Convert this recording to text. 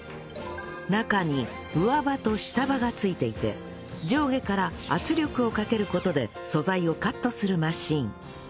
中に上刃と下刃が付いていて上下から圧力をかける事で素材をカットするマシン